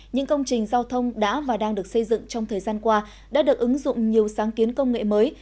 những công trình giao thông đã và đang được xây dựng trong thời gian qua đã được ứng dụng nhiều sáng kiến công nghệ mới